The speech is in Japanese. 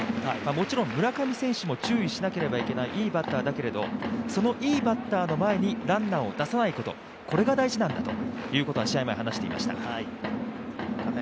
もちろん村上選手も注意しなければいけない、いいバッターだけどそのいいバッターの前にランナーを出さないことが大事なんだと試合前、話していました。